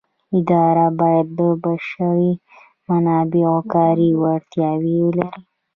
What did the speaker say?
اداره باید د بشري منابعو کاري وړتیاوې ولري.